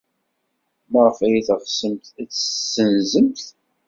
Maɣef ay teɣsemt ad tt-tessenzemt?